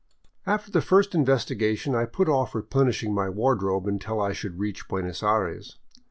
After the first investigation I put off replenishing my wardrobe un til I should reach Buenos Aires.